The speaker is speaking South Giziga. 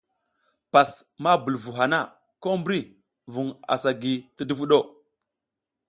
Pas ma bul vu hana, ko mbri vuƞ asa gi ti duvuɗ o.